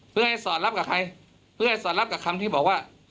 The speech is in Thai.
เพื่อให้สอดรับกับใครเพื่อให้สอดรับกับคำที่บอกว่า